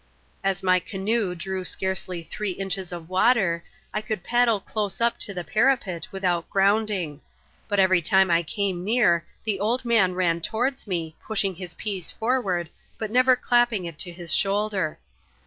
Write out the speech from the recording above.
As my canoe drew scarcely three inches of water, I could paddle close up to the parapet without grounding; but every time I came near, the old man ran towards me, pushing his piece forward, but never clapping it to his shoulder.